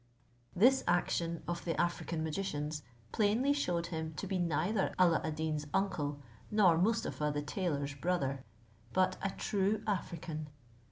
This action of the African magician's plainly shewed him to be neither Alla ad Deen's uncle, nor Mustapha the tailor's brother; but a true African.